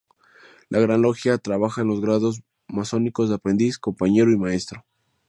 La Gran Logia trabaja en los grados masónicos de Aprendiz, Compañero y Maestro.